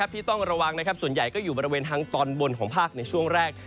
ที่ต้องระวังส่วนใหญ่ก็อยู่บริเวณทางตอนบนของภาคในช่วงแรก